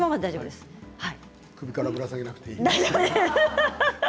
首からぶら下げなくていいのね。